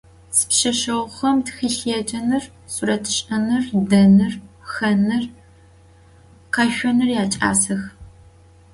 Sipşseşseğuxem txılhêcenır, suretş'ınır, denır, xhenır, kheşsonır yaç'asex.